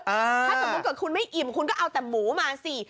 ถ้าสมมุติเกิดคุณไม่อิ่มคุณก็เอาแต่หมูมาสิ